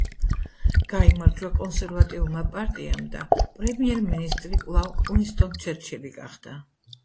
გაიმარჯვა კონსერვატიულმა პარტიამ და პრემიერ-მინისტრი კვლავ უინსტონ ჩერჩილი გახდა.